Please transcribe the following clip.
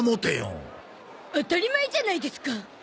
当たり前じゃないですか。